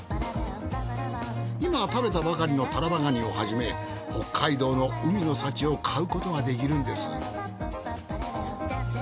今食べたばかりのタラバガニをはじめ北海道の海の幸を買うことができるんです。